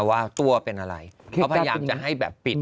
ว่าตัวเป็นอะไรเขาพยายามจะให้แบบปิด